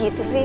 gak gitu sih